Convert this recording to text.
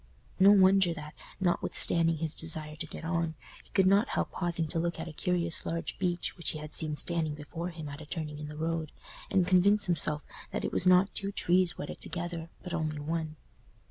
No wonder that, not withstanding his desire to get on, he could not help pausing to look at a curious large beech which he had seen standing before him at a turning in the road, and convince himself that it was not two trees wedded together, but only one.